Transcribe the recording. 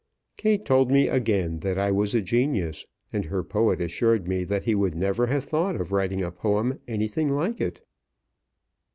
Kate told me again that I was a genius, and her poet assured me that he would never have thought of writing a poem anything like it.